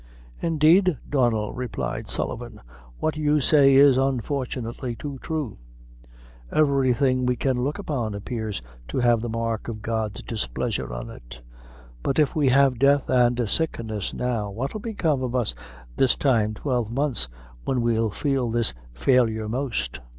"Indeed, Donnel," replied Sullivan, "what you say is unfortunately too thrue. Everything we can look upon appears to have the mark of God's displeasure on it; but if we have death and sickness now, what'll become of us this time twelve months, when we'll feel this failure most?"